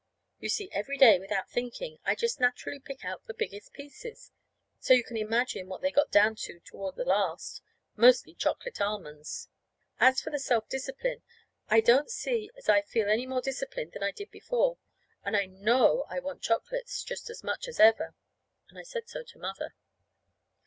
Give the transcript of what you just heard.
You see, every day, without thinking, I'd just naturally pick out the biggest pieces. So you can imagine what they got down to toward the last mostly chocolate almonds. As for the self discipline I don't see as I feel any more disciplined than I did before, and I know I want chocolates just as much as ever. And I said so to Mother.